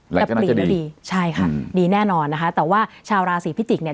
หลังจากนั้นจะดีใช่ค่ะอืมดีแน่นอนนะคะแต่ว่าชาวราศีพิจิกษ์เนี้ย